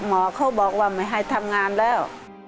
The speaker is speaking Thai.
หมอเขาบอกว่าไม่ให้ทำงานแล้ว